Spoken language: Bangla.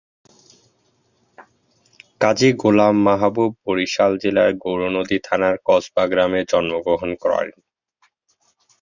কাজী গোলাম মাহবুব বরিশাল জেলার গৌরনদী থানার কসবা গ্রামে জন্মগ্রহণ করেন।